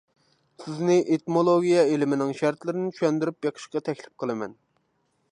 سىزنى ئېتىمولوگىيە ئىلمىنىڭ شەرتلىرىنى چۈشەندۈرۈپ بېقىشقا تەكلىپ قىلىمەن.